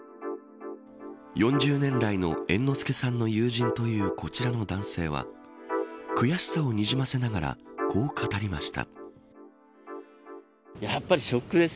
４０年来の猿之助さんの友人というこちらの男性は悔しさをにじませながらこう語りました。